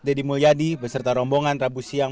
deddy mulyadi beserta rombongan rabu siang